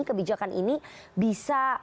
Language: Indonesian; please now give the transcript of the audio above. kebijakan ini bisa